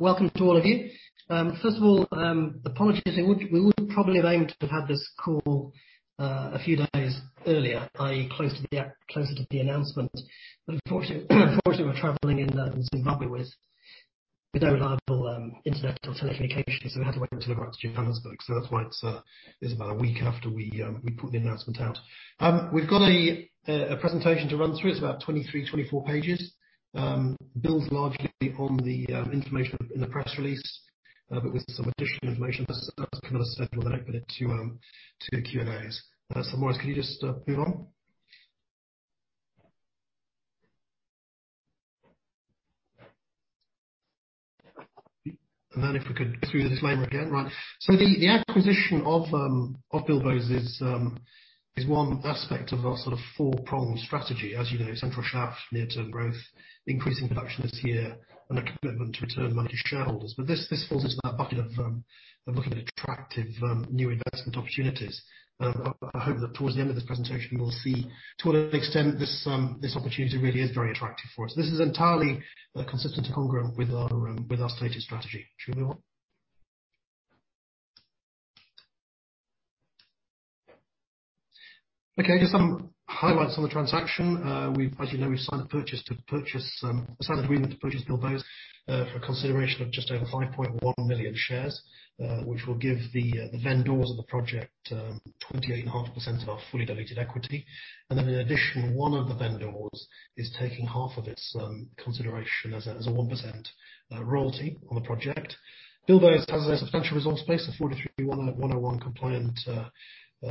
Welcome to all of you. First of all, apologies. We would probably have aimed to have had this call a few days earlier, i.e., closer to the announcement. Unfortunately, we were traveling in Zimbabwe with no reliable internet or telecommunications, so we had to wait until we got to Johannesburg. That's why it's about a week after we put the announcement out. We've got a presentation to run through. It's about 23, 24 pages. Builds largely on the information in the press release, but with some additional information. That's kind of a segue, then open it to the Q&As. Maurice, can you just move on? Then if we could go through the disclaimer again. Right. The acquisition of Bilboes is one aspect of our sort of four-pronged strategy. As you know, Central Shaft, near-term growth, increasing production this year, and a commitment to return money to shareholders. This falls into that bucket of looking at attractive new investment opportunities. I hope that towards the end of this presentation, you will see to what extent this opportunity really is very attractive for us. This is entirely consistent and congruent with our stated strategy. Should we move on? Okay, just some highlights on the transaction. As you know, we've signed an agreement to purchase Bilboes for consideration of just over 5.1 million shares, which will give the vendors of the project 28.5% of our fully diluted equity. In addition, one of the vendors is taking half of its consideration as a 1% royalty on the project. Bilboes has a substantial resource base of 43-101 compliant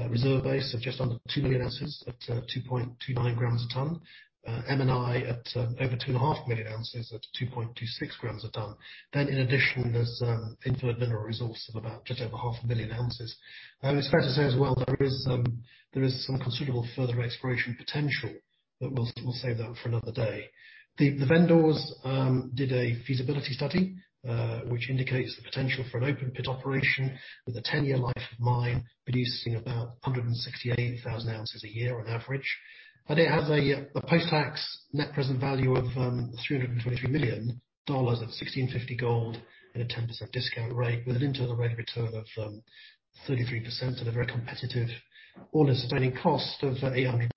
reserve base of just under 2 million ounces at 2.29 grams a ton. M&I at over 2.5 million ounces at 2.26 grams a ton. In addition, there's inferred mineral resource of about just over 0.5 million ounces. It's fair to say as well, there is some considerable further exploration potential, but we'll save that for another day. The vendors did a feasibility study, which indicates the potential for an open pit operation with a ten-year life of mine, producing about 168,000 ounces a year on average. It has a post-tax net present value of $323 million at $1,650 gold and a 10% discount rate with an internal rate of return of 33% at a very competitive all-in sustaining cost of $826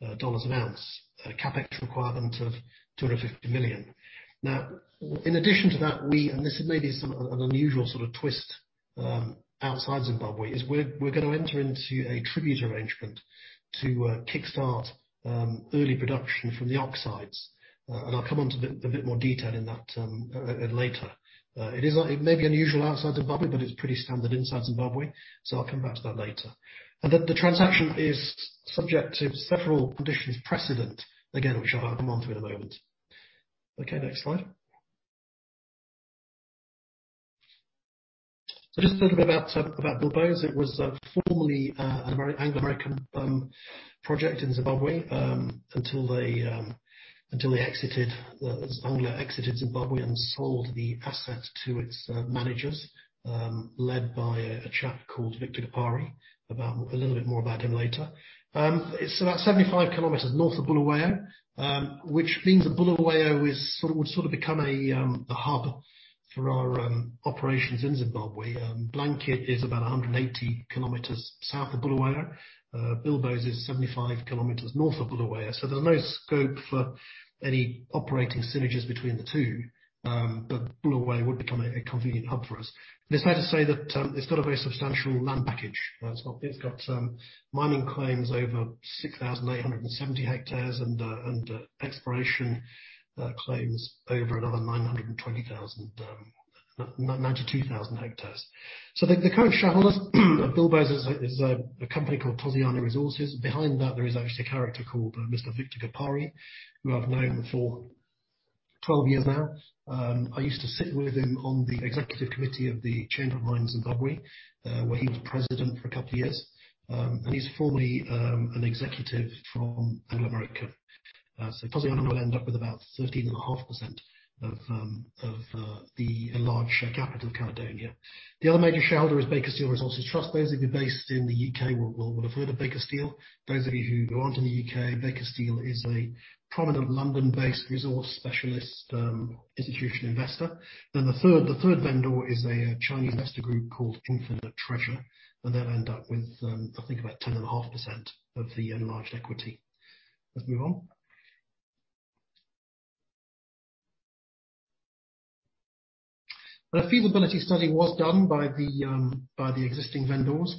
an ounce. A CapEx requirement of $250 million. Now, in addition to that, and this is maybe some, an unusual sort of twist outside Zimbabwe, is we're gonna enter into a tribute arrangement to kickstart early production from the oxides. I'll come on to a bit more detail in that later. It may be unusual outside Zimbabwe, but it's pretty standard inside Zimbabwe, so I'll come back to that later. The transaction is subject to several conditions precedent, again, which I'll come onto in a moment. Okay, next slide. Just a little bit about Bilboes. It was formerly an Anglo American project in Zimbabwe until they exited. As Anglo exited Zimbabwe and sold the assets to its managers, led by a chap called Victor Gapare. A little bit more about him later. It's about 75 kilometers north of Bulawayo, which means that Bulawayo is sort of, would sort of become a hub for our operations in Zimbabwe. Blanket is about 180 kilometers south of Bulawayo. Bilboes is 75 kilometers north of Bulawayo. There's no scope for any operating synergies between the two. Bulawayo would become a convenient hub for us. It's fair to say that, it's got a very substantial land package. It's got mining claims over 6,870 hectares and exploration claims over another 992,000 hectares. The current shareholders of Bilboes is a company called Toziyana Resources. Behind that, there is actually a character called Mr. Victor Gapare, who I've known for 12 years now. I used to sit with him on the executive committee of the Chamber of Mines of Zimbabwe, where he was president for a couple of years. He's formerly an executive from Anglo American. Toziyana will end up with about 13.5% of the enlarged capital count down here. The other major shareholder is Baker Steel Resources Trust. Those of you based in the U.K. will have heard of Baker Steel. Those of you who aren't in the U.K., Baker Steel is a prominent London-based resource specialist institutional investor. The third vendor is a Chinese investor group called Infinite Treasure, and they'll end up with, I think, about 10.5% of the enlarged equity. Let's move on. A feasibility study was done by the existing vendors,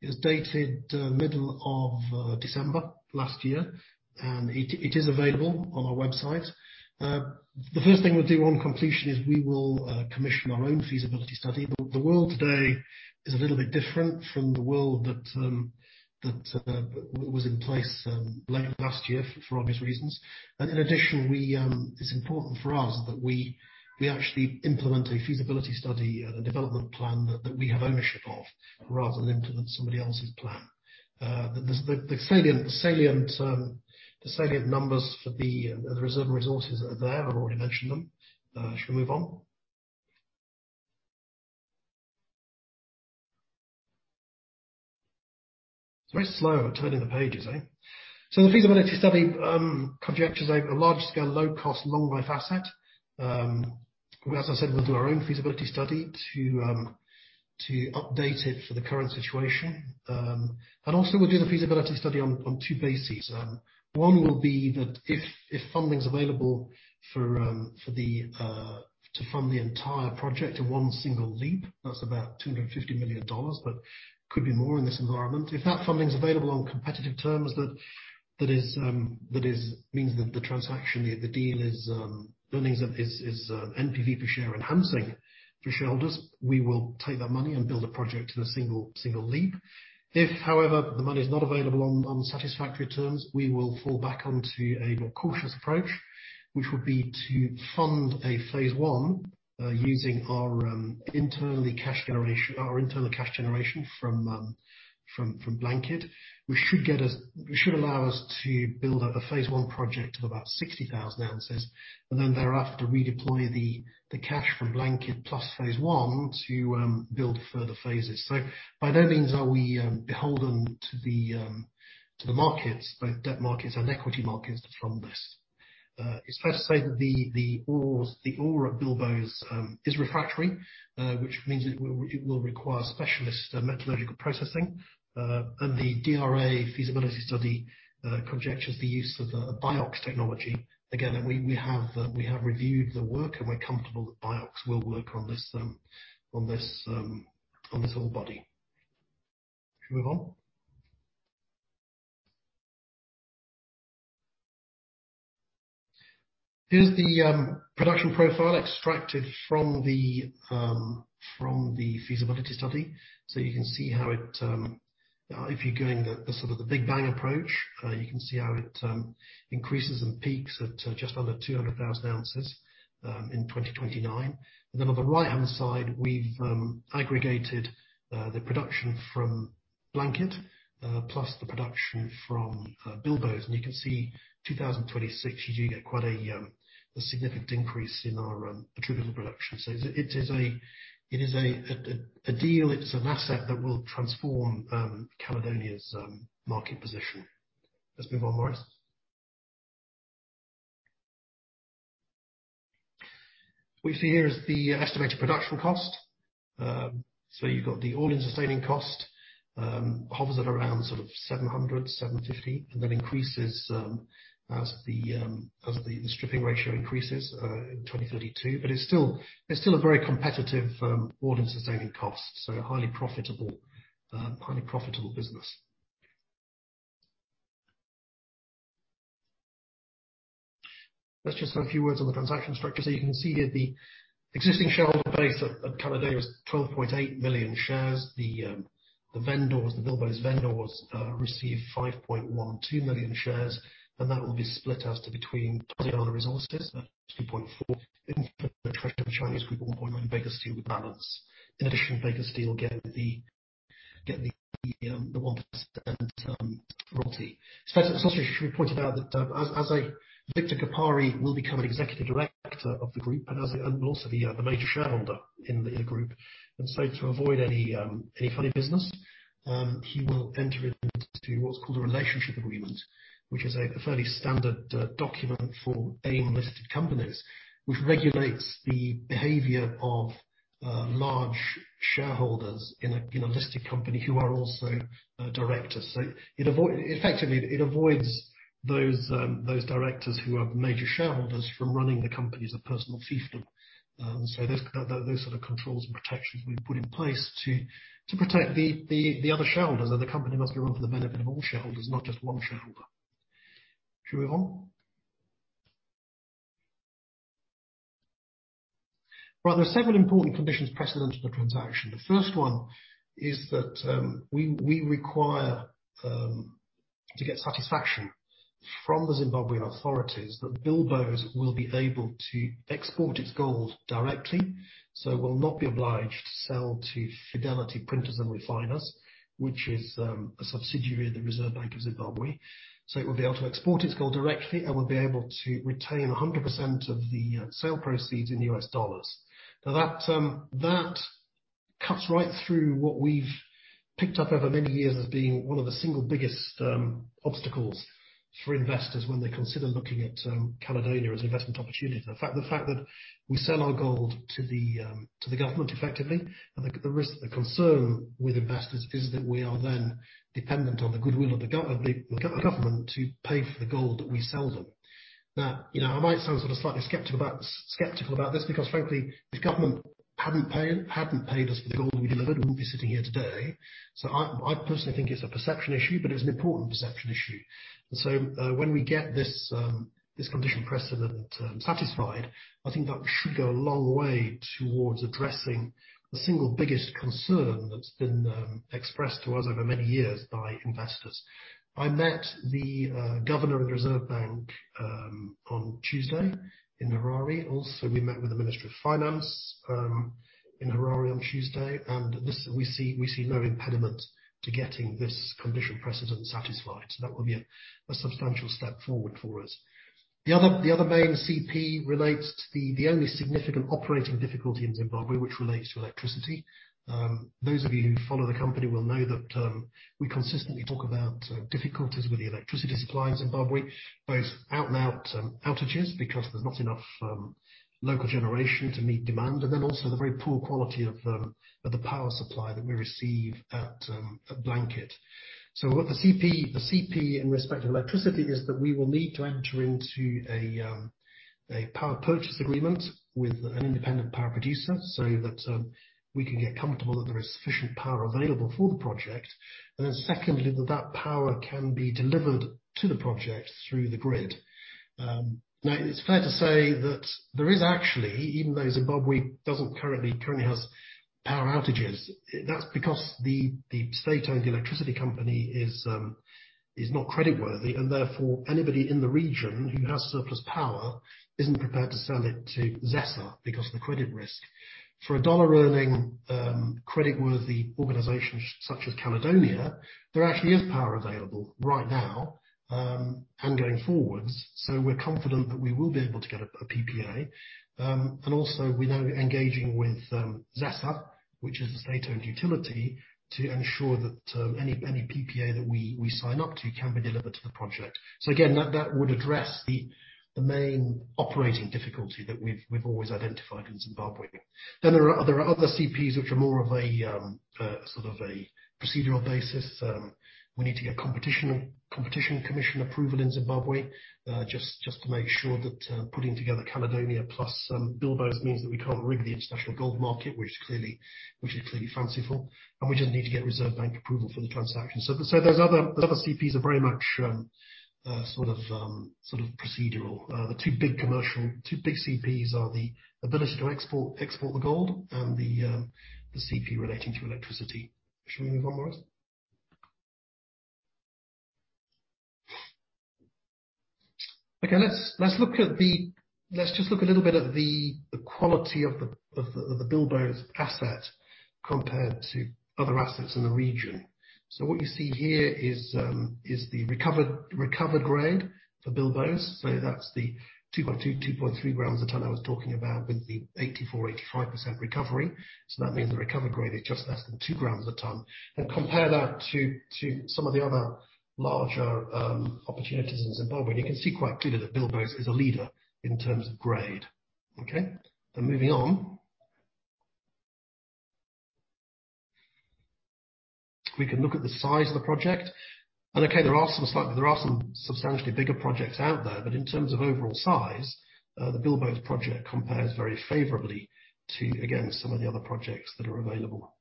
is dated middle of December last year. It is available on our website. The first thing we'll do on completion is we will commission our own feasibility study. The world today is a little bit different from the world that was in place late last year for obvious reasons. In addition, it's important for us that we actually implement a feasibility study and a development plan that we have ownership of, rather than implement somebody else's plan. The salient numbers for the reserve and resources are there, I've already mentioned them. Shall we move on? It's very slow turning the pages, eh? The feasibility study conjectures a large scale, low cost, long life asset. As I said, we'll do our own feasibility study to update it for the current situation. We'll do the feasibility study on two bases. One will be that if funding is available to fund the entire project in one single leap, that's about $250 million, but could be more in this environment. If that funding is available on competitive terms, that means the transaction, the deal is earnings-accretive, NPV per share enhancing for shareholders, we will take that money and build a project in a single leap. If, however, the money is not available on satisfactory terms, we will fall back onto a more cautious approach, which would be to fund a Phase I using our internal cash generation from Blanket, which should allow us to build out a Phase I project of about 60,000 ounces, and then thereafter redeploy the cash from Blanket plus Phase I to build further phases. By no means are we beholden to the markets, both debt markets and equity markets to fund this. It's fair to say that the ore at Bilboes is refractory, which means it will require specialist metallurgical processing. The DRA feasibility study conjectures the use of a BIOX technology. Again, we have reviewed the work, and we're comfortable that BIOX will work on this ore body. Should we move on? Here's the production profile extracted from the feasibility study. You can see how it, if you're doing the sort of the big bang approach, you can see how it increases and peaks at just under 200,000 ounces in 2029. On the right-hand side, we've aggregated the production from Blanket plus the production from Bilboes. You can see 2026, you do get quite a significant increase in our attributable production. It is a deal, it's an asset that will transform Caledonia's market position. Let's move on, Maurice. What we see here is the estimated production cost. You've got the all-in sustaining cost hovers at around sort of $700-$750, and then increases as the stripping ratio increases in 2032. It's still a very competitive all-in sustaining cost, so a highly profitable business. Let's just have a few words on the transaction structure. You can see here the existing shareholder base at Caledonia is 12.8 million shares. The vendors, the Bilboes vendors, received 5.12 million shares, and that will be split between Toziyana Resources, that's 2.4, in pro rata to the Chinese group, 1.9, and Baker Steel with the balance. In addition, Baker Steel get the 1% royalty. It should also be pointed out that Victor Gapare will become an executive director of the group and will also be a major shareholder in the group. To avoid any funny business, he will enter into what's called a relationship agreement, which is a fairly standard document for AIM-listed companies, which regulates the behavior of large shareholders in a listed company who are also directors. Effectively it avoids those directors who are major shareholders from running the company as a personal fiefdom. Those sort of controls and protections we've put in place to protect the other shareholders of the company must be run for the benefit of all shareholders, not just one shareholder. Should we move on? Right. There are several important conditions precedent to the transaction. The first one is that we require to get satisfaction from the Zimbabwean authorities that Bilboes will be able to export its gold directly. Will not be obliged to sell to Fidelity Printers and Refiners, which is a subsidiary of the Reserve Bank of Zimbabwe. It will be able to export its gold directly and will be able to retain 100% of the sale proceeds in US dollars. Now, that cuts right through what we've picked up over many years as being one of the single biggest obstacles for investors when they consider looking at Caledonia as an investment opportunity. The fact that we sell our gold to the government effectively, and the risk, the concern with investors is that we are then dependent on the goodwill of the government to pay for the gold that we sell them. Now, you know, I might sound sort of slightly skeptical about this because frankly, this government hadn't paid us for the gold we delivered, we wouldn't be sitting here today. I personally think it's a perception issue, but it's an important perception issue. When we get this condition precedent satisfied, I think that should go a long way towards addressing the single biggest concern that's been expressed to us over many years by investors. I met the governor of the Reserve Bank on Tuesday in Harare. Also, we met with the Ministry of Finance in Harare on Tuesday. We see no impediment to getting this condition precedent satisfied. That will be a substantial step forward for us. The other main CP relates to the only significant operating difficulty in Zimbabwe, which relates to electricity. Those of you who follow the company will know that we consistently talk about difficulties with the electricity supply in Zimbabwe, both out-and-out outages because there's not enough local generation to meet demand, and then also the very poor quality of the power supply that we receive at Blanket. What the CP in respect of electricity is that we will need to enter into a power purchase agreement with an independent power producer so that we can get comfortable that there is sufficient power available for the project. Secondly, that that power can be delivered to the project through the grid. Now, it's fair to say that there is actually, even though Zimbabwe doesn't currently has power outages, that's because the state-owned electricity company is not creditworthy, and therefore anybody in the region who has surplus power isn't prepared to sell it to ZESA because of the credit risk. For a dollar-earning, creditworthy organization such as Caledonia, there actually is power available right now, and going forwards. We're confident that we will be able to get a PPA. Also we're now engaging with ZESA, which is the state-owned utility, to ensure that any PPA that we sign up to can be delivered to the project. Again, that would address the main operating difficulty that we've always identified in Zimbabwe. There are other CPs which are more of a sort of a procedural basis. We need to get Competition and Tariff Commission approval in Zimbabwe, just to make sure that putting together Caledonia plus Bilboes means that we can't rig the international gold market, which is clearly fanciful, and we just need to get Reserve Bank of Zimbabwe approval for the transaction. Those other CPs are very much sort of procedural. The two big commercial CPs are the ability to export the gold and the CP relating to electricity. Shall we move on, Maurice? Okay. Let's just look a little bit at the quality of the Bilboes asset compared to other assets in the region. What you see here is the recovered grade for Bilboes. That's the 2.2-2.3 grams a ton I was talking about with the 84%-85% recovery. That means the recovered grade is just less than 2 grams a ton. Compare that to some of the other larger opportunities in Zimbabwe, and you can see quite clearly that Bilboes is a leader in terms of grade. Okay. Moving on. We can look at the size of the project. Okay, there are some substantially bigger projects out there, but in terms of overall size, the Bilboes project compares very favorably to, again, some of the other projects that are available.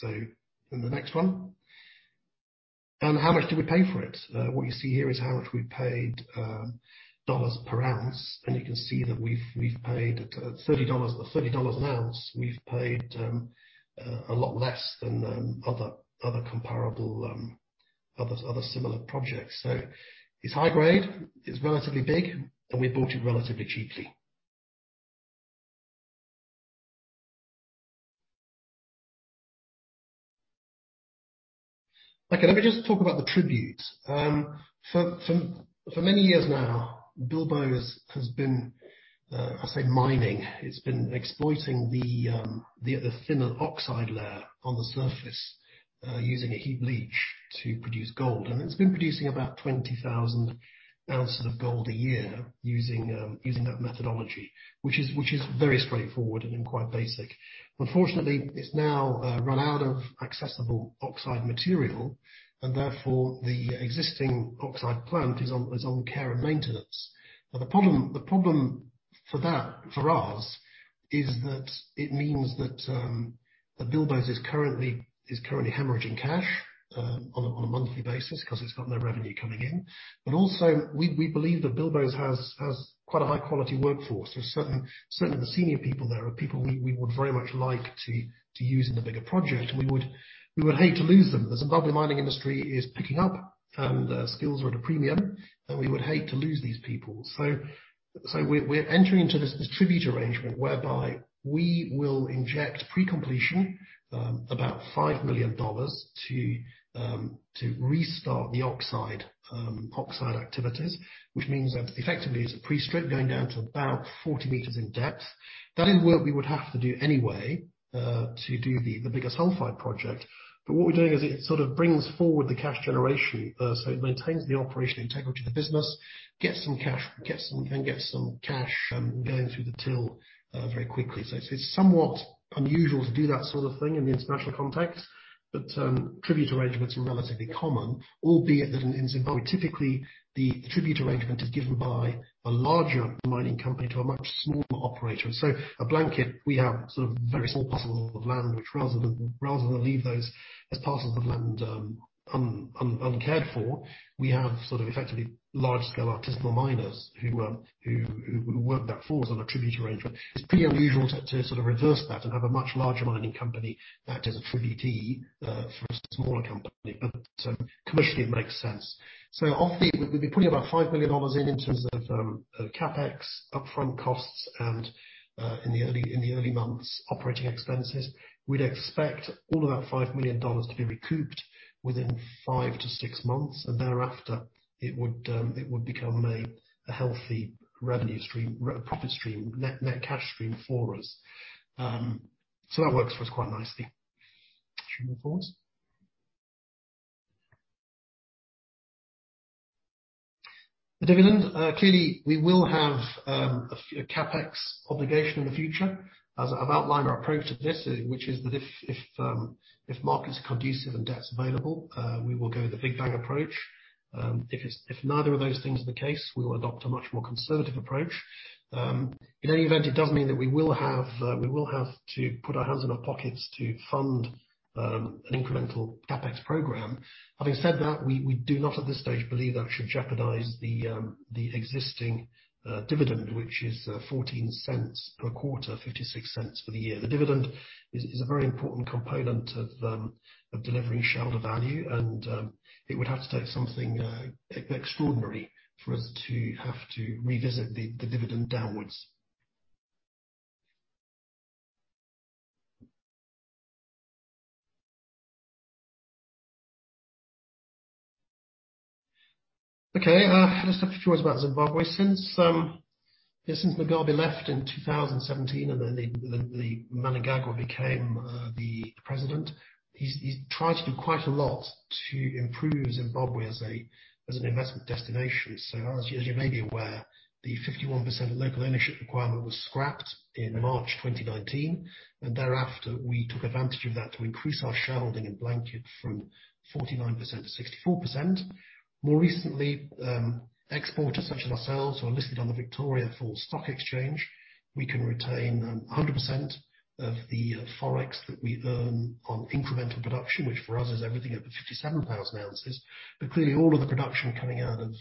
The next one. How much do we pay for it? What you see here is how much we paid dollars per ounce, and you can see that we've paid $30. At $30 an ounce, we've paid a lot less than other comparable other similar projects. It's high grade, it's relatively big, and we bought it relatively cheaply. Okay, let me just talk about the tributes. For many years now, Bilboes has been, I'd say, mining. It's been exploiting the thinner oxide layer on the surface using a heap leach to produce gold. It's been producing about 20,000 ounces of gold a year using that methodology, which is very straightforward and quite basic. Unfortunately, it's now run out of accessible oxide material, and therefore, the existing oxide plant is on care and maintenance. Now the problem for that, for us, is that it means that Bilboes is currently hemorrhaging cash on a monthly basis 'cause it's got no revenue coming in. Also we believe that Bilboes has quite a high quality workforce. There certainly the senior people there are people we would very much like to use in the bigger project, and we would hate to lose them. The Zimbabwe mining industry is picking up. Their skills are at a premium, and we would hate to lose these people. We're entering into this tribute arrangement whereby we will inject pre-completion about $5 million to restart the oxide activities, which means that effectively it's a pre-strip going down to about 40 meters in depth. That is work we would have to do anyway to do the bigger sulfide project. What we're doing is it sort of brings forward the cash generation, so it maintains the operational integrity of the business, gets some cash and gets some cash going through the till very quickly. It's somewhat unusual to do that sort of thing in the international context, but tribute arrangements are relatively common, albeit that in Zimbabwe, typically the tribute arrangement is given by a larger mining company to a much smaller operator. At Blanket, we have sort of very small parcels of land, which rather than leave those as parcels of land, uncared for, we have sort of effectively large scale artisanal miners who work that for us on a tribute arrangement. It is pretty unusual to sort of reverse that and have a much larger mining company that is a tributee for a smaller company. Commercially it makes sense. We'll be putting about $5 million in terms of CapEx, upfront costs and in the early months, operating expenses. We'd expect all of that $5 million to be recouped within 5-6 months, and thereafter, it would become a healthy revenue stream, profit stream, net cash stream for us. That works for us quite nicely. Should we move forward? The dividend, clearly we will have a few CapEx obligation in the future. As I've outlined our approach to this, which is that if markets are conducive and debt is available, we will go the big bang approach. If neither of those things are the case, we will adopt a much more conservative approach. In any event, it does mean that we will have to put our hands in our pockets to fund an incremental CapEx program. Having said that, we do not at this stage believe that should jeopardize the existing dividend, which is $0.14 per quarter, $0.56 for the year. The dividend is a very important component of delivering shareholder value, and it would have to take something extraordinary for us to have to revisit the dividend downwards. Okay, let's talk a few words about Zimbabwe. Since Mugabe left in 2017 and then the Mnangagwa became the president, he's tried to do quite a lot to improve Zimbabwe as an investment destination. As you may be aware, the 51% local ownership requirement was scrapped in March 2019, and thereafter, we took advantage of that to increase our shareholding in Blanket from 49% to 64%. More recently, exporters such as ourselves who are listed on the Victoria Falls Stock Exchange, we can retain a hundred percent of the forex that we earn on incremental production, which for us is everything over 57,000 ounces. Clearly, all of the production coming out of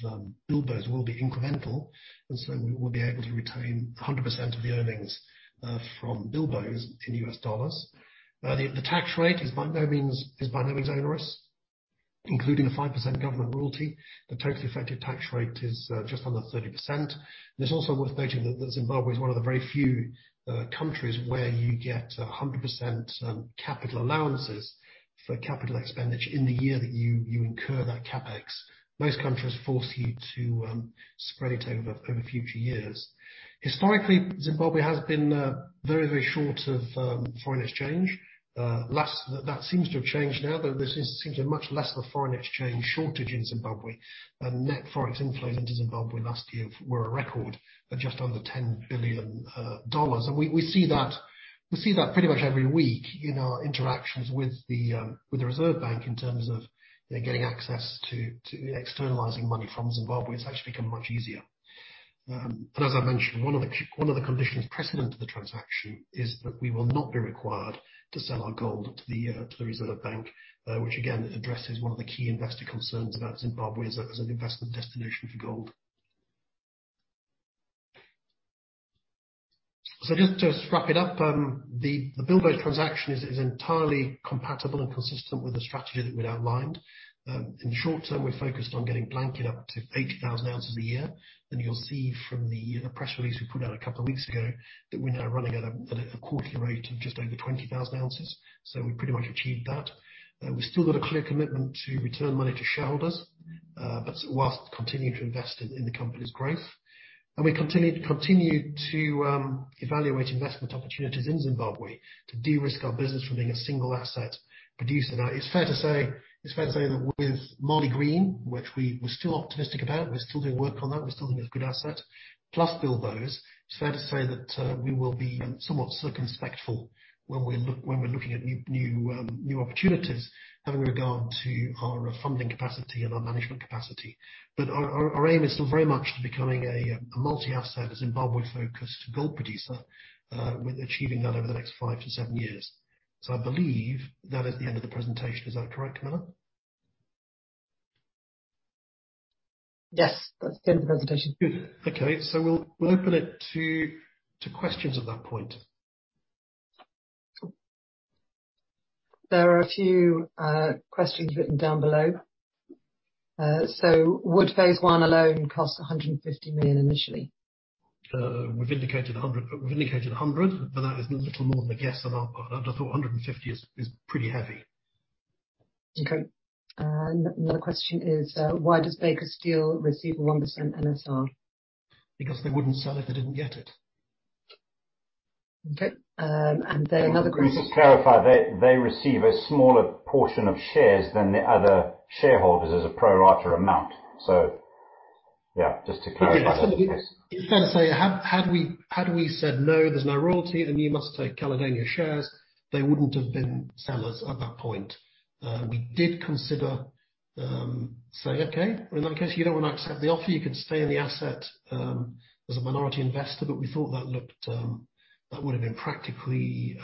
Bilboes will be incremental, and so we will be able to retain a hundred percent of the earnings from Bilboes in U.S. dollars. The tax rate is by no means onerous, including a 5% government royalty. The total effective tax rate is just under 30%. It's also worth noting that Zimbabwe is one of the very few countries where you get a hundred percent capital allowances for capital expenditure in the year that you incur that CapEx. Most countries force you to spread it over future years. Historically, Zimbabwe has been very short of foreign exchange. That seems to have changed now, though. There seems to be much less of a foreign exchange shortage in Zimbabwe. Net forex inflows into Zimbabwe last year were a record of just under $10 billion. We see that pretty much every week in our interactions with the Reserve Bank of Zimbabwe in terms of getting access to externalizing money from Zimbabwe. It's actually become much easier. As I mentioned, one of the conditions precedent to the transaction is that we will not be required to sell our gold to the Reserve Bank, which again addresses one of the key investor concerns about Zimbabwe as an investment destination for gold. Just to wrap it up, the Bilboes transaction is entirely compatible and consistent with the strategy that we'd outlined. In short-term, we're focused on getting Blanket up to 80,000 ounces a year. You'll see from the press release we put out a couple of weeks ago that we're now running at a quarterly rate of just over 20,000 ounces. We pretty much achieved that. We've still got a clear commitment to return money to shareholders, but whilst continuing to invest in the company's growth. We continue to evaluate investment opportunities in Zimbabwe to de-risk our business from being a single-asset producer. It's fair to say that with Maligreen, which we're still optimistic about, we're still doing work on that, we still think it's a good asset, plus Bilboes, it's fair to say that we will be somewhat circumspect when we're looking at new opportunities having regard to our funding capacity and our management capacity. Our aim is still very much to becoming a multi-asset Zimbabwe-focused gold producer, with achieving that over the next five to seven years. I believe that is the end of the presentation. Is that correct, Camilla? Yes, that's the end of the presentation. Good. Okay. We'll open it to questions at that point. There are a few questions written down below. Would Phase I alone cost $150 million initially? We've indicated 100, but that is a little more than a guess on our part. I just thought 150 is pretty heavy. Okay. Another question is, why does Baker Steel receive 1% NSR? Because they wouldn't sell if they didn't get it. Okay. Just to clarify, they receive a smaller portion of shares than the other shareholders as a pro rata amount. Yeah, just to clarify. It's fair to say, had we said, "No, there's no royalty, then you must take Caledonia shares," they wouldn't have been sellers at that point. We did consider saying, "Okay, well, in that case, you don't want to accept the offer, you can stay in the asset as a minority investor." We thought that looked, that would've been practically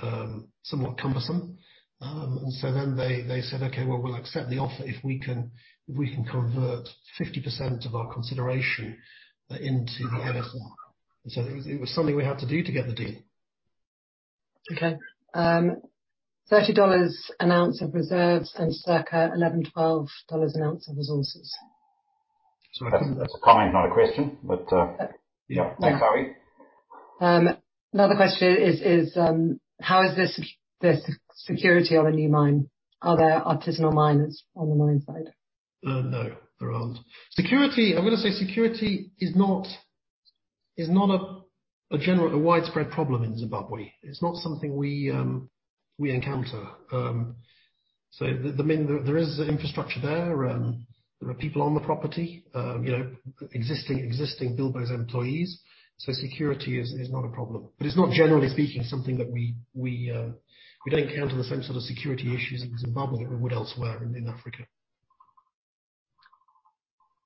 somewhat cumbersome. They said, "Okay, well, we'll accept the offer if we can convert 50% of our consideration into the NSR." It was something we had to do to get the deal. Okay. $30 an ounce of reserves and circa $11-$12 an ounce of resources. That's a comment, not a question, but, yeah. Thanks, Howie. Another question is, how is this the security of a new mine? Are there artisanal miners on the mine site? No, there aren't. Security is not a general, widespread problem in Zimbabwe. It's not something we encounter. There is infrastructure there. There are people on the property. You know, existing Bilboes employees, so security is not a problem. It's not, generally speaking, something that we don't encounter the same sort of security issues in Zimbabwe that we would elsewhere in Africa.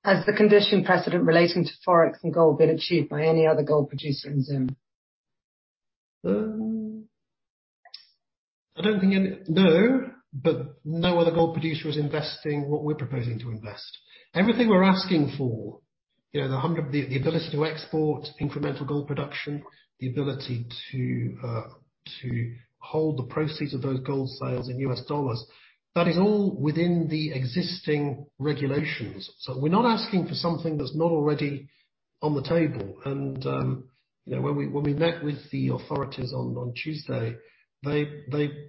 Has the condition precedent relating to Forex and gold been achieved by any other gold producer in Zim? No other gold producer is investing what we're proposing to invest. Everything we're asking for, you know, the 100, the ability to export incremental gold production, the ability to hold the proceeds of those gold sales in U.S. dollars, that is all within the existing regulations. We're not asking for something that's not already on the table. You know, when we met with the authorities on Tuesday, they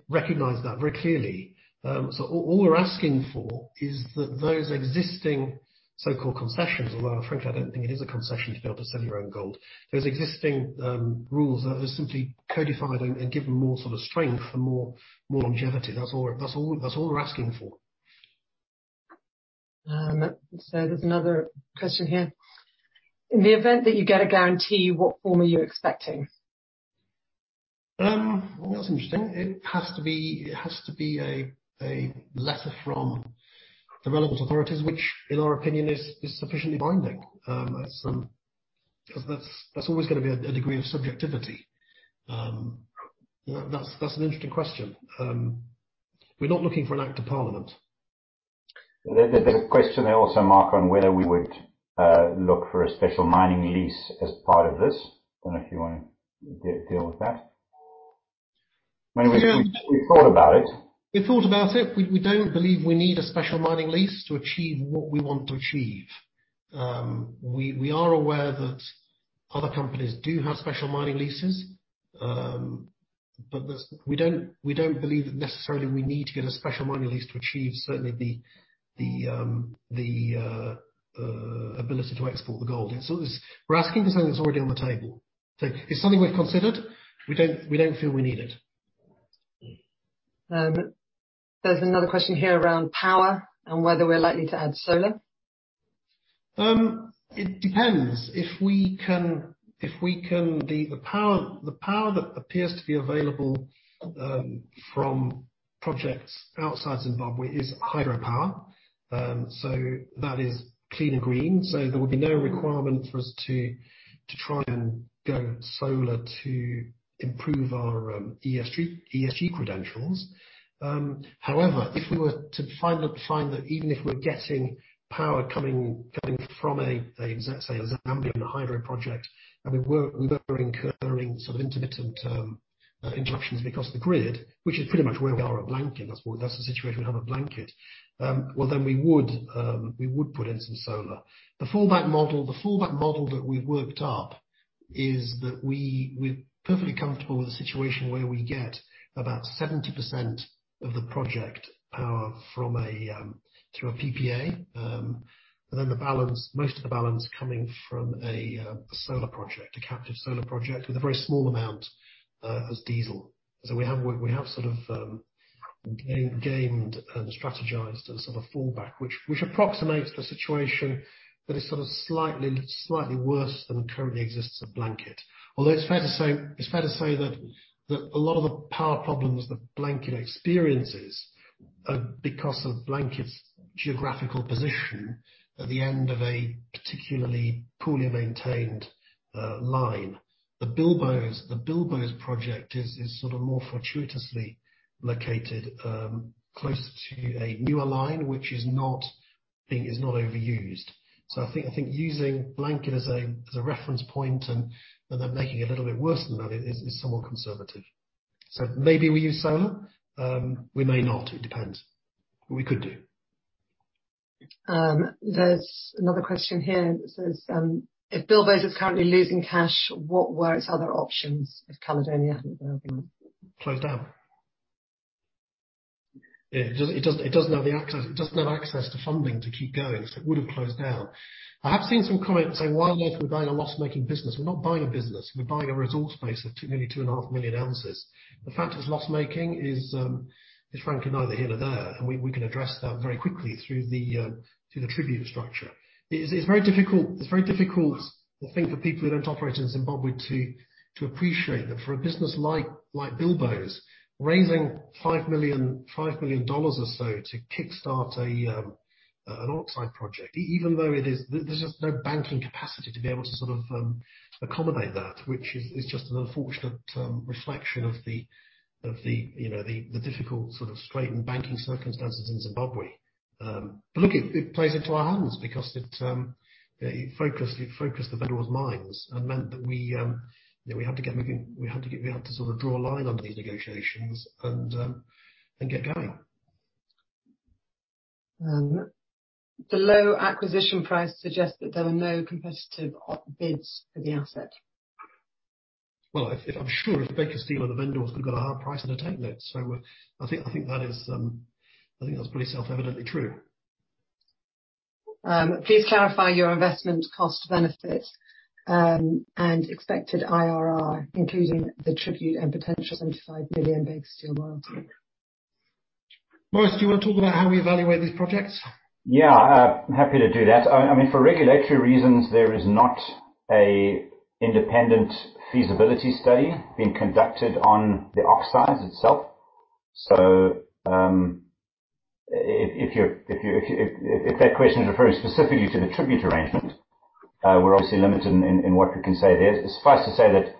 recognized that very clearly. All we're asking for is that those existing so-called concessions, although frankly, I don't think it is a concession to be able to sell your own gold. Those existing rules are simply codified and given more sort of strength and more longevity. That's all we're asking for. There's another question here. In the event that you get a guarantee, what form are you expecting? Well, that's interesting. It has to be a letter from the relevant authorities, which in our opinion is sufficiently binding. That's always gonna be a degree of subjectivity. That's an interesting question. We're not looking for an act of parliament. There's a question there also, Mark, on whether we would look for a special mining lease as part of this. I don't know if you wanna deal with that. I mean, we thought about it. We thought about it. We don't believe we need a special mining lease to achieve what we want to achieve. We are aware that other companies do have special mining leases. We don't believe that necessarily we need to get a special mining lease to achieve certainly the ability to export the gold. We're asking for something that's already on the table. It's something we've considered. We don't feel we need it. There's another question here around power and whether we're likely to add solar. It depends. The power that appears to be available from projects outside Zimbabwe is hydropower. So that is clean and green, so there would be no requirement for us to try and go solar to improve our ESG credentials. However, if we were to find that even if we're getting power coming from, say, a Zambian hydro project, and we were incurring some intermittent interruptions because of the grid, which is pretty much where we are at Blanket, that's the situation we have at Blanket, well, then we would put in some solar. The fallback model that we've worked up is that we're perfectly comfortable with a situation where we get about 70% of the project power through a PPA. The balance, most of the balance coming from a solar project, a captive solar project with a very small amount as diesel. We have sort of gained and strategized a sort of fallback, which approximates the situation that is sort of slightly worse than currently exists at Blanket. It's fair to say that a lot of the power problems that Blanket experiences are because of Blanket's geographical position at the end of a particularly poorly maintained line. The Bilboes project is sort of more fortuitously located close to a newer line, which is not overused. I think using Blanket as a reference point and then making it a little bit worse than that is somewhat conservative. Maybe we use solar, we may not. It depends. We could do. There's another question here that says, if Bilboes is currently losing cash, what were its other options if Caledonia hadn't been around? Close down. It doesn't have access to funding to keep going, so it would've closed down. I have seen some comments saying, "Well, if we're buying a loss-making business," we're not buying a business, we're buying a resource base of 2, nearly 2.5 million ounces. The fact it's loss-making is frankly neither here nor there. We can address that very quickly through the tribute structure. It's very difficult I think for people who don't operate in Zimbabwe to appreciate that for a business like Bilboes, raising $5 million or so to kickstart an oxide project, even though it is. There's just no banking capacity to be able to sort of accommodate that, which is just an unfortunate reflection of the you know the difficult sort of straitened banking circumstances in Zimbabwe. Look, it plays into our hands because it focused the vendor's minds and meant that we had to get moving, we had to sort of draw a line under these negotiations and get going. The low acquisition price suggests that there were no competitive bids for the asset. Well, I'm sure if Baker Steel and the vendors would've got a higher price on the table. I think that is, I think that's pretty self-evidently true. Please clarify your investment cost benefit, and expected IRR, including the tribute and potential $75 million Baker Steel royalty. Maurice, do you wanna talk about how we evaluate these projects? Yeah, happy to do that. I mean, for regulatory reasons, there is not an independent feasibility study being conducted on the oxides itself. If that question is referring specifically to the tribute arrangement, we're obviously limited in what we can say there. It suffices to say that,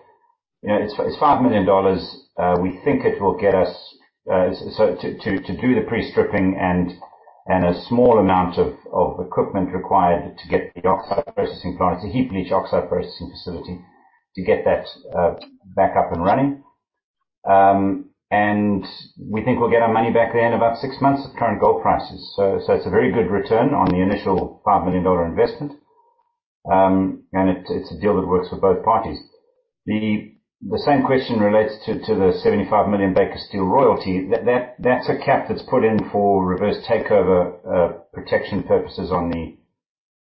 you know, it's $5 million, we think it will get us to do the pre-stripping and a small amount of equipment required to get the oxide processing plant, it's a heap leach oxide processing facility, to get that back up and running. And we think we'll get our money back there in about six months at current gold prices. It's a very good return on the initial $5 million investment. It's a deal that works for both parties. The same question relates to the $75 million Baker Steel royalty. That's a cap that's put in for reverse takeover protection purposes on the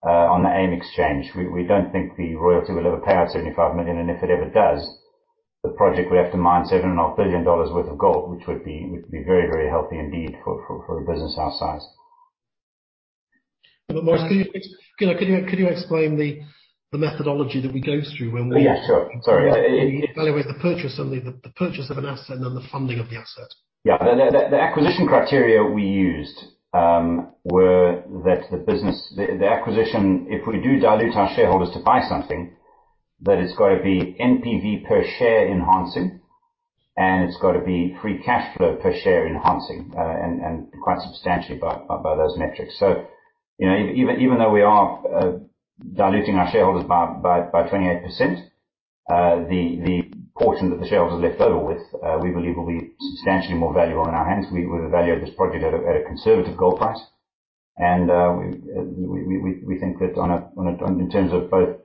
AIM exchange. We don't think the royalty will ever pay out $75 million, and if it ever does, the project will have to mine $7.5 billion worth of gold, which would be very healthy indeed for a business our size. Maurice, could you know, explain the methodology that we go through when we? Yeah, sure. Sorry. Evaluate the purchase of an asset, and then the funding of the asset. Yeah. The acquisition, if we do dilute our shareholders to buy something, that it's gotta be NPV per share enhancing, and it's gotta be Free Cash Flow per share enhancing, and quite substantially by those metrics. You know, even though we are diluting our shareholders by 28%, the portion that the shareholders are left over with, we believe will be substantially more valuable in our hands. We value this project at a conservative gold price and we think that in terms of both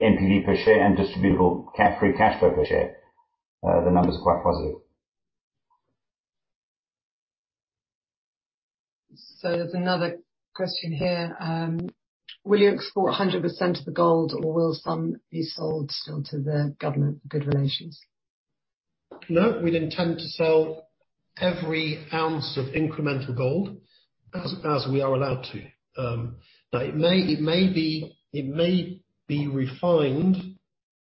NPV per share and Free Cash Flow per share, the numbers are quite positive. There's another question here. Will you export 100% of the gold or will some be sold still to the government for good relations? No, we'd intend to sell every ounce of incremental gold as we are allowed to. Now, it may be refined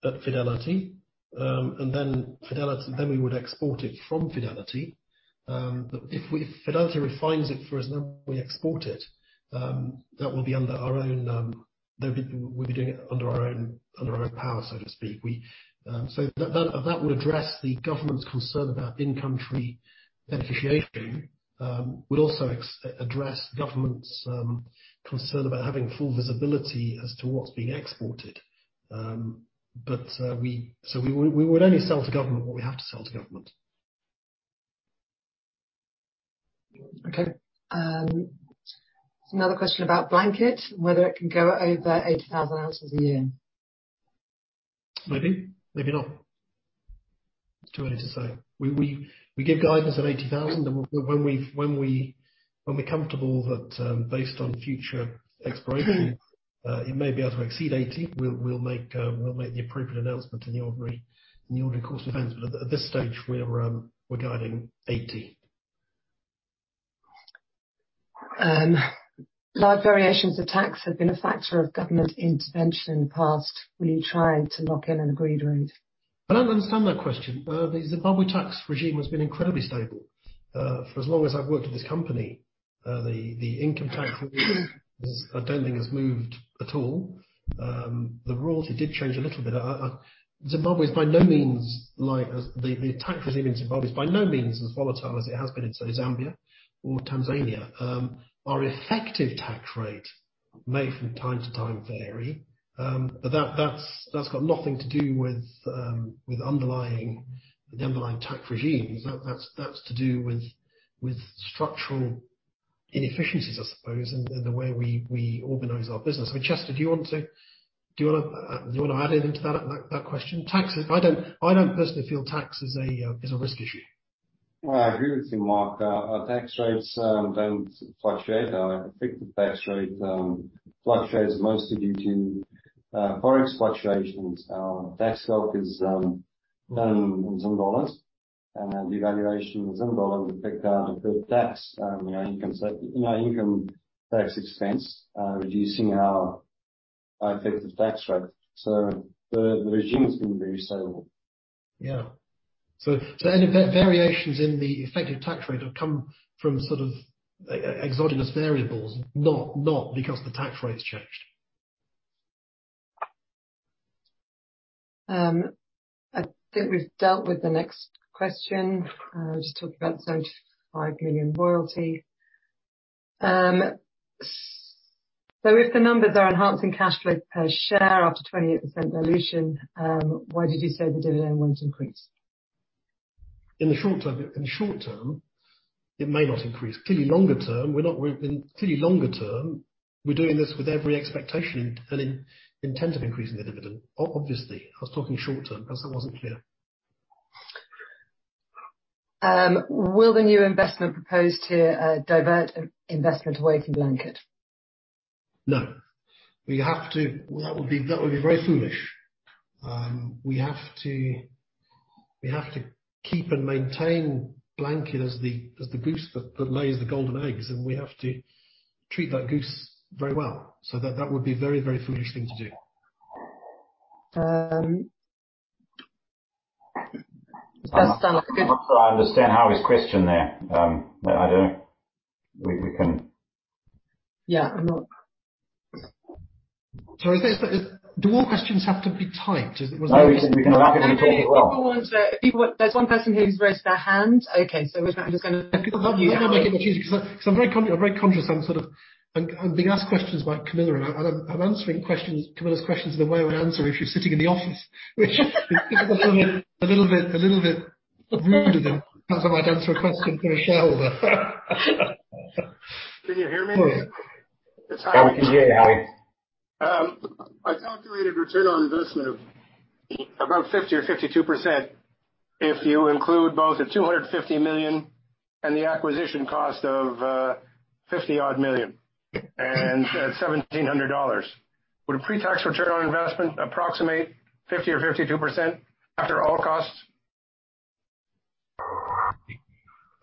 at Fidelity, and then we would export it from Fidelity. If Fidelity refines it for us, then we export it. We'll be doing it under our own power, so to speak. That would address the government's concern about in-country beneficiation. It would also address the government's concern about having full visibility as to what's being exported. We would only sell to government what we have to sell to government. Okay. There's another question about Blanket, whether it can go over 80,000 ounces a year. Maybe, maybe not. It's too early to say. We give guidance at 80,000 and when we're comfortable that, based on future exploration, it may be able to exceed 80, we'll make the appropriate announcement in the ordinary course of events. But at this stage we're guiding 80. Large variations of tax have been a factor of government intervention in the past. Will you try to lock in an agreed rate? I don't understand that question. The Zimbabwe tax regime has been incredibly stable for as long as I've worked at this company. The income tax regime. I don't think has moved at all. The royalty did change a little bit. The tax regime in Zimbabwe is by no means as volatile as it has been in, say, Zambia or Tanzania. Our effective tax rate may from time to time vary, but that's got nothing to do with the underlying tax regimes. That's to do with structural inefficiencies as opposed to the way we organize our business. I mean, Chester, do you want to add anything to that question? Taxes, I don't personally feel tax is a risk issue. Well, I agree with you, Mark. Our tax rates don't fluctuate. Our effective tax rate fluctuates mostly due to forex fluctuations. Our tax stock is done in Zim dollars, and the devaluation of Zim dollar would affect our tax, you know, income tax expense, reducing our effective tax rate. The regime has been very stable. Any variations in the effective tax rate have come from sort of exogenous variables, not because the tax rate's changed. I think we've dealt with the next question. Just talking about $75 million royalty. If the numbers are enhancing cash flow per share after 28% dilution, why did you say the dividend won't increase? In the short-term, it may not increase. Clearly longer-term, we're doing this with every expectation and intent of increasing the dividend, obviously. I was talking short-term 'cause that wasn't clear. Will the new investment proposed here divert investment away from Blanket? No. That would be very foolish. We have to keep and maintain Blanket as the goose that lays the golden eggs, and we have to treat that goose very well. That would be very foolish thing to do. It does sound like a good. I'm not sure I understand Howie's question there. I don't. We can. Yeah. Sorry. Do all questions have to be typed? No. We can have people talk as well. There's one person here who's raised their hand. Okay. With that, we're just gonna I'm very conscious. I'm sort of being asked questions by Camilla, and I'm answering questions, Camilla's questions the way I would answer if she's sitting in the office which feels a little bit rude as in how I might answer a question from Michelle. Can you hear me? It's Howie. We can hear you, Howie. I calculated return on investment about 50 or 52% if you include both the $250 million and the acquisition cost of $50-odd million and at $1,700. Would a pre-tax return on investment approximate 50 or 52% after all costs?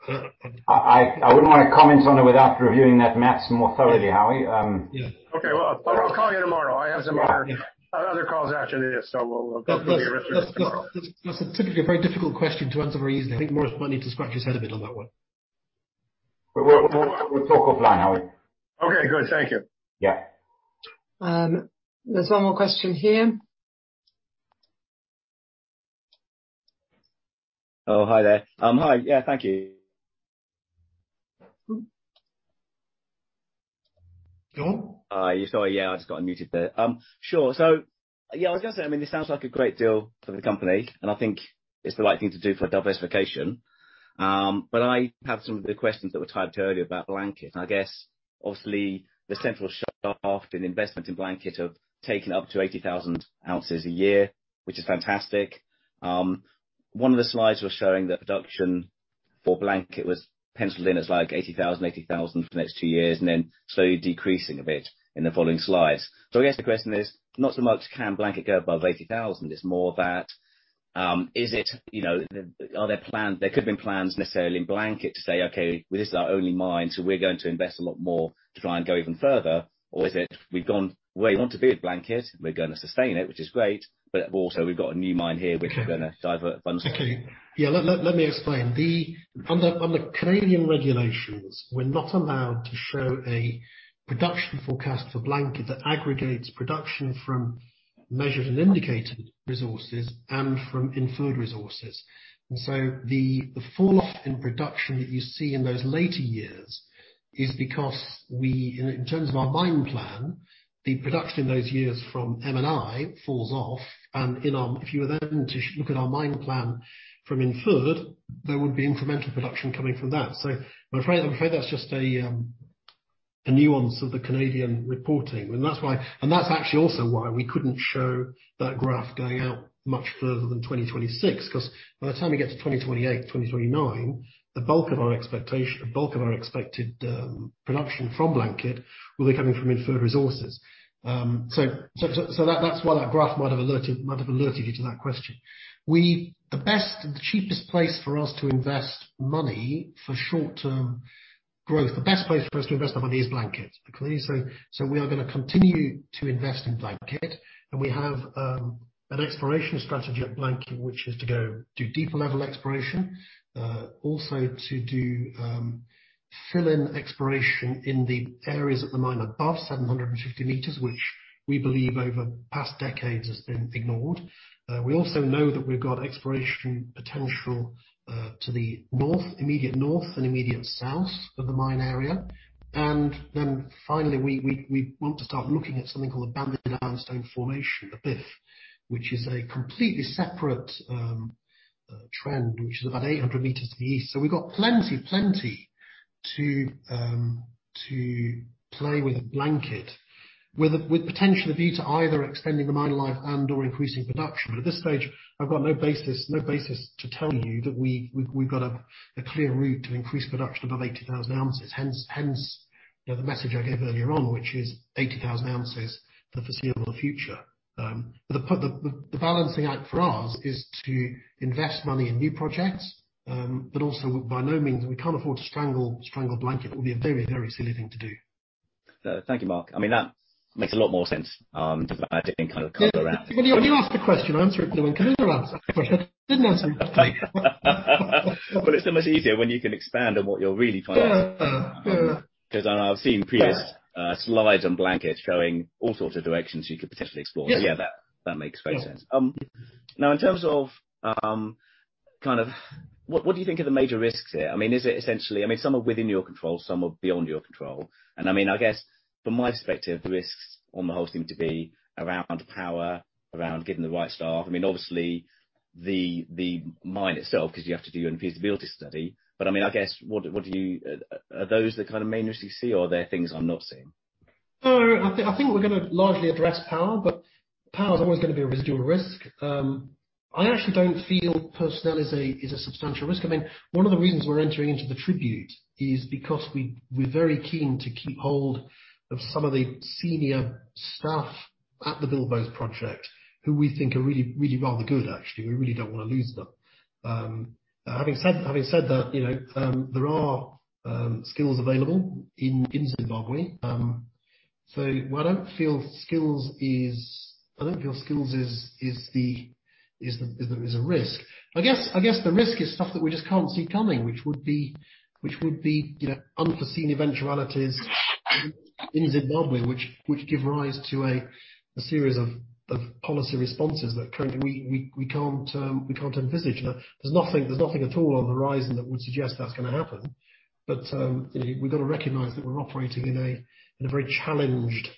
I wouldn't wanna comment on it without reviewing that math in more thoroughly, Howie. Yeah. Okay. Well, I'll call you tomorrow. I have some other calls after this, so we'll go through your return tomorrow. That's typically a very difficult question to answer very easily. I think Maurice might need to scratch his head a bit on that one. We'll talk offline, Howie. Okay, good. Thank you. Yeah. There's one more question here. Oh, hi there. Hi. Yeah. Thank you. Go on. Sorry. Yeah. I just got unmuted there. Sure. Yeah, I was gonna say, I mean, this sounds like a great deal for the company, and I think it's the right thing to do for diversification. I have some of the questions that were typed earlier about Blanket, and I guess, obviously, the Central Shaft in investment in Blanket have taken up to 80,000 ounces a year, which is fantastic. One of the slides was showing that production for Blanket was penciled in as like 80,000 for the next two years and then slowly decreasing a bit in the following slides. I guess the question is not so much can Blanket go above 80,000, it's more that, is it, you know, there could have been plans necessarily in Blanket to say, "Okay, well, this is our only mine, so we're going to invest a lot more to try and go even further." Or is it, "We've gone where we want to be with Blanket, we're gonna sustain it," which is great, but also we've got a new mine here which Okay. We're gonna divert funds from. Let me explain. Under Canadian regulations, we're not allowed to show a production forecast for Blanket that aggregates production from measured and indicated resources and from inferred resources. The fall off in production that you see in those later years is because we, in terms of our mine plan, the production in those years from M&I falls off. If you were then to look at our mine plan from inferred, there would be incremental production coming from that. I'm afraid that's just a nuance of the Canadian reporting. That's actually also why we couldn't show that graph going out much further than 2026, 'cause by the time we get to 2028, 2029, the bulk of our expected production from Blanket will be coming from inferred resources. So that's why that graph might have alerted you to that question. The best and the cheapest place for us to invest money for short-term growth, the best place for us to invest our money is Blanket, because we are gonna continue to invest in Blanket, and we have an exploration strategy at Blanket, which is to go do deeper level exploration. Also to do fill-in exploration in the areas of the mine above 750 meters, which we believe over past decades has been ignored. We also know that we've got exploration potential to the north, immediate north and immediate south of the mine area. Then finally, we want to start looking at something called the Banded Ironstone Formation, the BIF, which is a completely separate trend, which is about 800 meters to the east. We've got plenty to play with at Blanket. With potential to either extend the mine life and/or increase production. At this stage, I've got no basis to tell you that we've got a clear route to increase production above 80,000 ounces. Hence, you know, the message I gave earlier on, which is 80,000 ounces for the foreseeable future. The balancing act for us is to invest money in new projects, but also by no means. We can't afford to strangle Blanket. It would be a very, very silly thing to do. Thank you, Mark. I mean, that makes a lot more sense than kind of going around. Well, you asked the question. I answered it. No one can ever answer the question. Didn't answer. It's so much easier when you can expand on what you're really trying to. Yeah. Yeah. 'Cause I've seen previous slides on Blanket showing all sorts of directions you could potentially explore. Yeah. Yeah, that makes very sense. Now in terms of kind of what do you think are the major risks here? I mean, is it essentially I mean, some are within your control, some are beyond your control. I mean, I guess from my perspective, the risks on the whole seem to be around power, around getting the right staff. I mean, obviously the mine itself, 'cause you have to do your feasibility study. I mean, I guess are those the kind of main risks you see or are there things I'm not seeing? No. I think we're gonna largely address power, but power is always gonna be a residual risk. I actually don't feel personnel is a substantial risk. I mean, one of the reasons we're entering into the tribute is because we're very keen to keep hold of some of the senior staff at the Bilboes project who we think are really rather good actually. We really don't wanna lose them. Having said that, you know, there are skills available in Zimbabwe. I don't feel skills is a risk. I guess the risk is stuff that we just can't see coming, which would be you know, unforeseen eventualities in Zimbabwe which give rise to a series of policy responses that currently we can't envisage. There's nothing at all on the horizon that would suggest that's gonna happen. You know, we've got to recognize that we're operating in a very challenged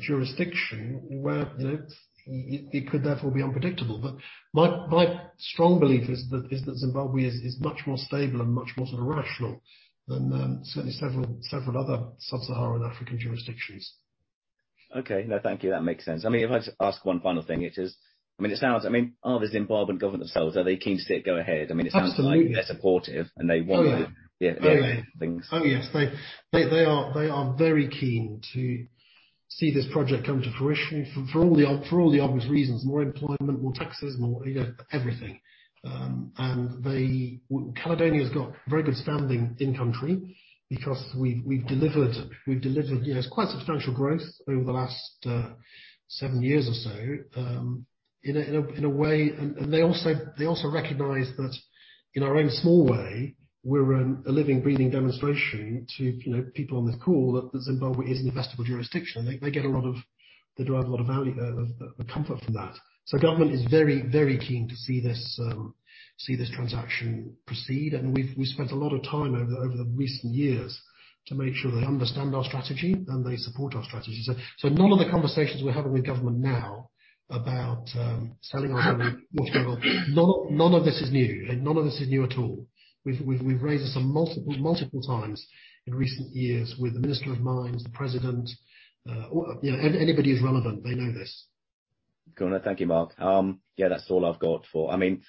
jurisdiction where you know, it could therefore be unpredictable. My strong belief is that Zimbabwe is much more stable and much more sort of rational than certainly several other sub-Saharan African jurisdictions. Okay. No, thank you. That makes sense. I mean, if I just ask one final thing, it is, I mean, it sounds, I mean, obviously Zimbabwe government themselves, are they keen to see it go ahead? I mean, it sounds like. Absolutely. They're supportive and they want the. Oh, yeah. Yeah. Things. Oh, yes. They are very keen to see this project come to fruition for all the obvious reasons. More employment, more taxes, you know, everything. Caledonia's got very good standing in country because we've delivered, you know, it's quite substantial growth over the last seven years or so, in a way. They also recognize that in our own small way, we're a living, breathing demonstration to, you know, people on this call that Zimbabwe is an investable jurisdiction. They derive a lot of value, comfort from that. Government is very, very keen to see this transaction proceed. We've spent a lot of time over the recent years to make sure they understand our strategy and they support our strategy. None of the conversations we're having with government now about selling our company, what's going on, none of this is new. None of this is new at all. We've raised this multiple times in recent years with the Minister of Mines, the president, or, you know, anybody who's relevant, they know this. Got it. Thank you, Mark. I mean,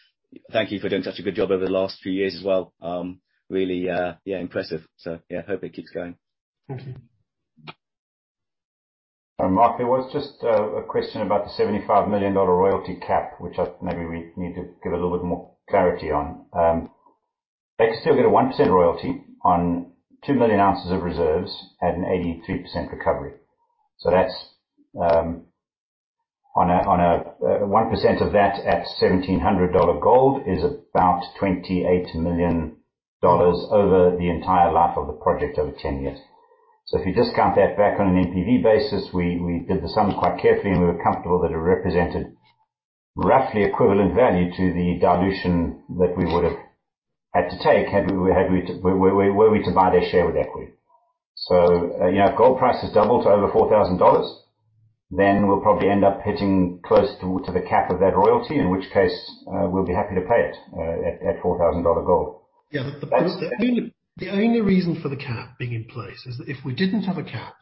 thank you for doing such a good job over the last few years as well. Really, yeah, impressive. Yeah, hope it keeps going. Thank you. Mark, there was just a question about the $75 million royalty cap, which maybe we need to give a little bit more clarity on. They still get a 1% royalty on 2 million ounces of reserves at an 83% recovery. That's 1% of that at $1,700 gold is about $28 million over the entire life of the project over 10 years. If you discount that back on an NPV basis, we did the sums quite carefully, and we were comfortable that it represented roughly equivalent value to the dilution that we would have had to take were we to buy their share with equity. You know, if gold price has doubled to over $4,000, then we'll probably end up hitting close to the cap of that royalty, in which case, we'll be happy to pay it at $4,000 dollar gold. Yeah. The only reason for the cap being in place is that if we didn't have a cap,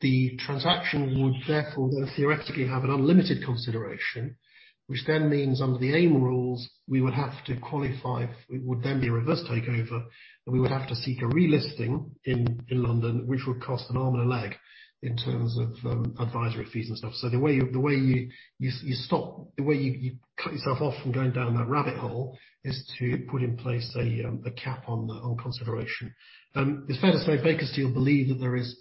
the transaction would therefore theoretically have an unlimited consideration, which then means under the AIM rules, we would have to qualify. It would then be a reverse takeover, and we would have to seek a relisting in London, which would cost an arm and a leg in terms of advisory fees and stuff. The way you cut yourself off from going down that rabbit hole is to put in place a cap on consideration. It's fair to say Baker Steel believe that there is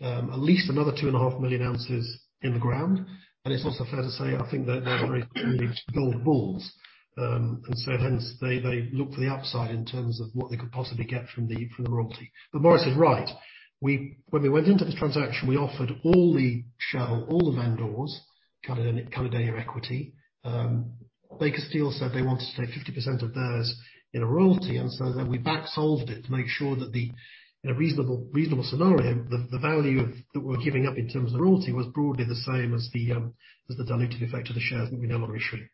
at least another 2.5 million ounces in the ground. It's also fair to say, I think they're very gold bulls. Hence they look for the upside in terms of what they could possibly get from the royalty. Maurice is right. When we went into this transaction, we offered all the shareholders, all the vendors, call it a deal of equity. Baker Steel said they wanted to take 50% of theirs in a royalty, and then we back solved it to make sure that in a reasonable scenario, the value that we're giving up in terms of royalty was broadly the same as the dilutive effect of the shares that we now are issuing.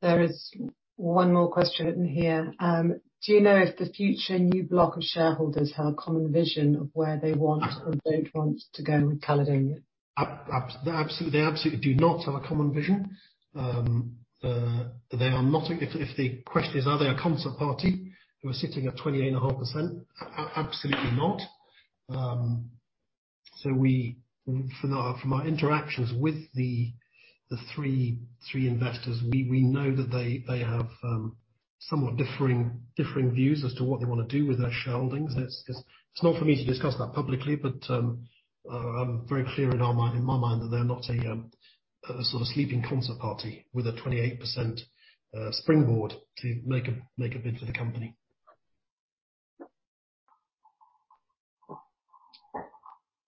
There is one more question in here. Do you know if the future new block of shareholders have a common vision of where they want or don't want to go with Caledonia? Absolutely. They absolutely do not have a common vision. They are not. If the question is, are they a concert party who are sitting at 28.5%? Absolutely not. From our interactions with the three investors, we know that they have somewhat differing views as to what they wanna do with their shareholdings. It's not for me to discuss that publicly, but I'm very clear in my mind that they're not a sort of sleeping concert party with a 28% springboard to make a bid for the company.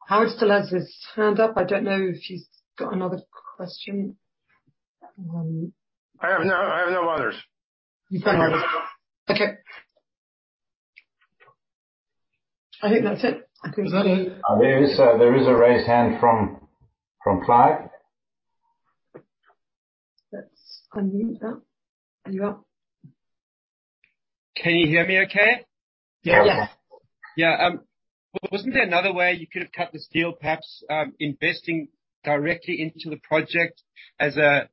Howard still has his hand up. I don't know if he's got another question. I have no others. You've no others. Okay. I think that's it. There is a raised hand from Clive. Let's unmute that. There you are. Can you hear me okay? Yeah. Yeah. Yeah, wasn't there another way you could have cut this deal, perhaps, investing directly into the project as a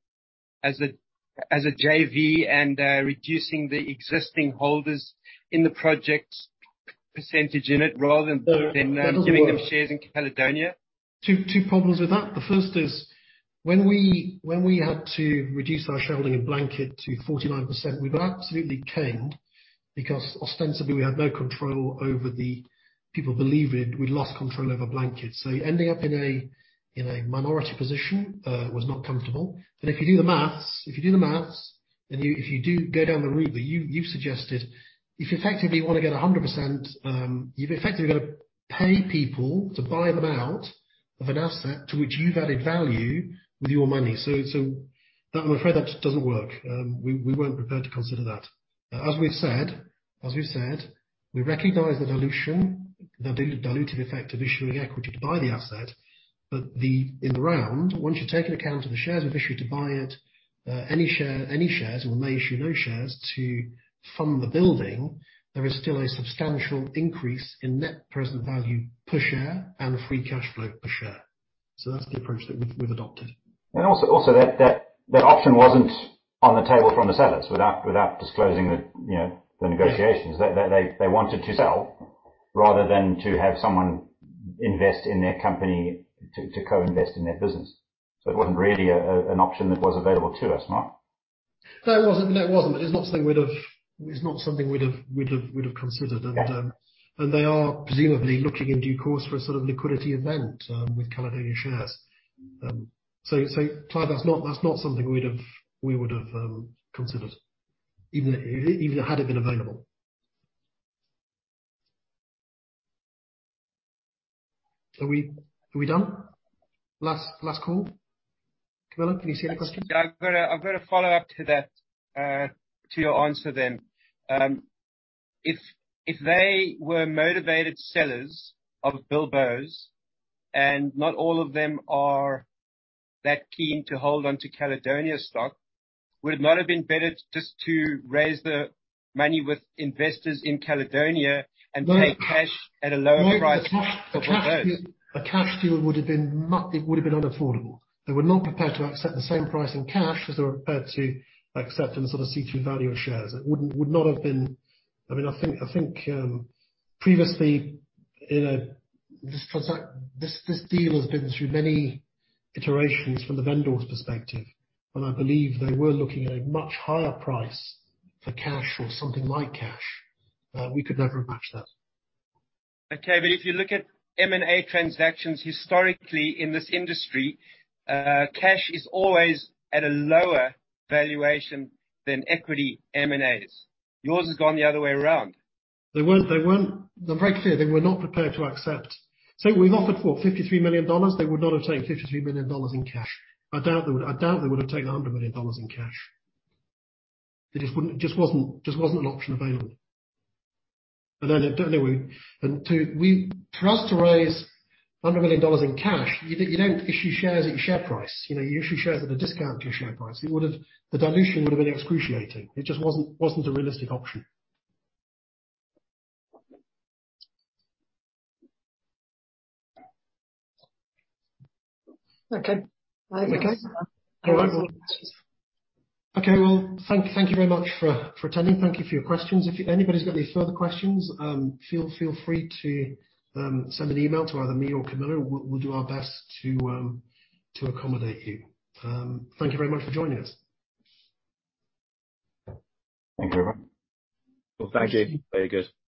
JV and reducing the existing holders in the project percentage in it, rather than giving them shares in Caledonia? Two problems with that. The first is when we had to reduce our shareholding in Blanket to 49%, we were absolutely caned because ostensibly we had no control over the people believing we'd lost control over Blanket. Ending up in a minority position was not comfortable. If you do the math, if you go down the route that you suggested, if you effectively wanna get 100%, you've effectively gotta pay people to buy them out of an asset to which you've added value with your money. That just doesn't work. We weren't prepared to consider that. As we've said, we recognize the dilution, the dilutive effect of issuing equity to buy the asset. In the round, once you've taken account of the shares we've issued to buy it, any shares we may issue to fund the building, there is still a substantial increase in net present value per share and Free Cash Flow per share. That's the approach that we've adopted. That option wasn't on the table from the sellers without disclosing, you know, the negotiations. They wanted to sell rather than to have someone invest in their company to co-invest in their business. It wasn't really an option that was available to us, Mark. No, it wasn't, but it's not something we'd have considered. Yeah. They are presumably looking in due course for a sort of liquidity event with Caledonia shares. Clive, that's not something we would have considered, even had it been available. Are we done? Last call. Camilla, can you see any questions? Yeah. I've got a follow-up to that, to your answer then. If they were motivated sellers of Bilboes, and not all of them are that keen to hold onto Caledonia stock, would it not have been better just to raise the money with investors in Caledonia and take cash at a lower price of Bilboes? It would have been unaffordable. They were not prepared to accept the same price in cash as they were prepared to accept in sort of in situ value of shares. It would not have been. I mean, I think previously this deal has been through many iterations from the vendor's perspective, and I believe they were looking at a much higher price for cash or something like cash. We could never have matched that. Okay. If you look at M&A transactions historically in this industry, cash is always at a lower valuation than equity M&As. Yours has gone the other way around. They weren't. I'm very clear, they were not prepared to accept. We offered $43 million, they would not have taken $53 million in cash. I doubt they would've taken $100 million in cash. It just wasn't an option available. For us to raise $100 million in cash, you don't issue shares at your share price. You know, you issue shares at a discount to your share price. It would've, the dilution would have been excruciating. It just wasn't a realistic option. Okay. Okay. Okay. Well, thank you very much for attending. Thank you for your questions. If anybody's got any further questions, feel free to send an email to either me or Camilla. We'll do our best to accommodate you. Thank you very much for joining us. Thank you very much. Well, thank you. Very good.